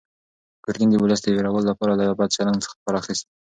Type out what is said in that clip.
ګورګین د ولس د وېرولو لپاره له بد چلند څخه کار اخیست.